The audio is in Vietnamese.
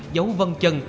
dấu vần chân